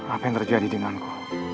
apa yang terjadi di temanku